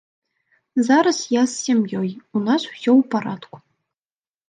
Зараз я з сям'ёй, у нас усё ў парадку.